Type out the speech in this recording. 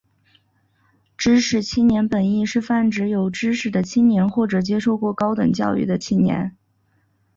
知识青年本义是泛指有知识的青年或者接受过高等教育的青年。